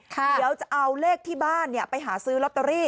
เดี๋ยวจะเอาเลขที่บ้านไปหาซื้อลอตเตอรี่